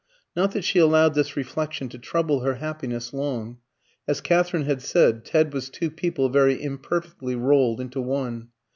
Not that she allowed this reflection to trouble her happiness long. As Katherine had said, Ted was two people very imperfectly rolled into one.